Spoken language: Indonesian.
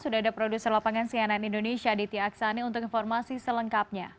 sudah ada produser lapangan cnn indonesia aditya aksani untuk informasi selengkapnya